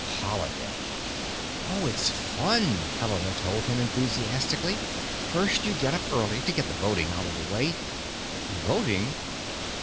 Holiday. "Oh, it's fun," Helena told him enthusiastically. "First you get up early to get the voting out of the way——" "Voting?"